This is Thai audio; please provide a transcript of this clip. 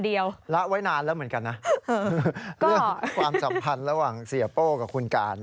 ละไว้นานแล้วเหมือนกันนะเรื่องความสัมพันธ์ระหว่างเสียโป้กับคุณการ